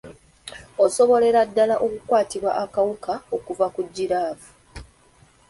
Osobolera ddala okukwatibwa akawuka okuva ku giraavu.